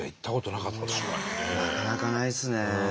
なかなかないですね。